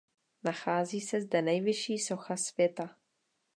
Nachází se zde nejvyšší socha světa.